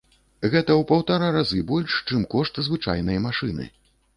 Гэта ў паўтара разы больш, чым кошт звычайнай машыны.